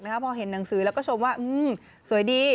พอเห็นหนังสือแล้วก็ชมว่าสวยดี